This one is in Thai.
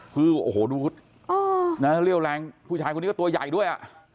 คือโอ้โหดูเรี่ยวแรงผู้ชายคนนี้ก็ตัวใหญ่ด้วย